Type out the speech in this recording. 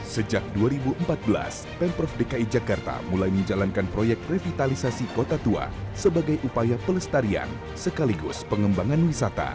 sejak dua ribu empat belas pemprov dki jakarta mulai menjalankan proyek revitalisasi kota tua sebagai upaya pelestarian sekaligus pengembangan wisata